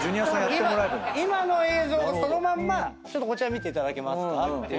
今の映像をそのまんまこちら見ていただけますかって。